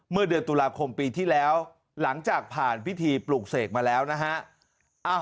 เมื่อเดือนตุลาคมปีที่แล้วหลังจากผ่านพิธีปลูกเสกมาแล้วนะฮะ